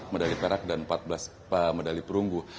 medali perak dan empat belas medali perunggu